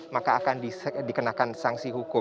maka akan dikenal